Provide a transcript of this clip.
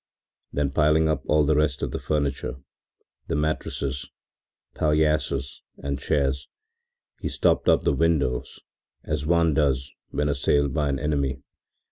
Then piling up all the rest of the furniture, the mattresses, palliasses and chairs, he stopped up the windows as one does when assailed by an enemy.